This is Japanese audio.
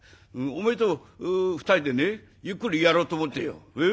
おめえと二人でねゆっくりやろうと思ってよ。